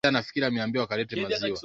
Alisoma vitabu vyote